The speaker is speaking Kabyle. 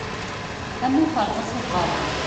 Am uferḍas uqerruy.